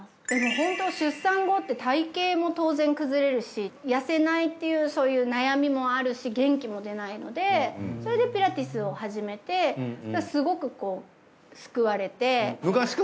ホント出産後って体形も当然崩れるし痩せないっていうそういう悩みもあるし元気も出ないのでそれでピラティスを始めてすごくこう救われて。